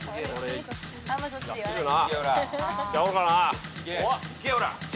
いっちゃおうかな。